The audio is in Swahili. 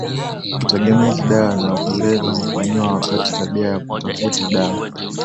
Utegemezi dawa za kulevya hufanyika wakati tabia ya kutafuta dawa